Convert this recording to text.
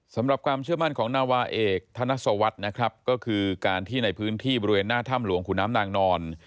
สำหรับความเชื่อมั่นของนาวาเอกธนสวัสดิ์นะครับก็คือการที่ในพื้นที่บริเวณหน้าถ้ำหลวงขุนน้ำนางนอน